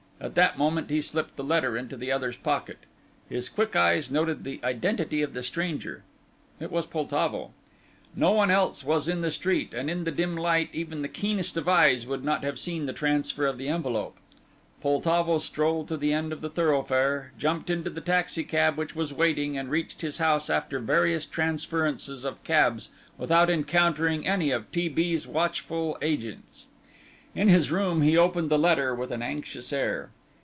At that moment he slipped the letter into the other's pocket. His quick eyes noted the identity of the stranger. It was Poltavo. No one else was in the street, and in the dim light even the keenest of eyes would not have seen the transfer of the envelope. Poltavo strolled to the end of the thoroughfare, jumped into the taxicab which was waiting and reached his house after various transferences of cabs without encountering any of T. B.'s watchful agents. In his room he opened the letter with an anxious air.